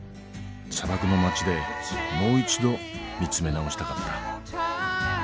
砂漠の街でもう一度見つめ直したかった。